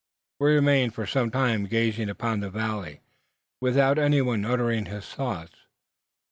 We remained for some time gazing up the valley, without anyone uttering his thoughts.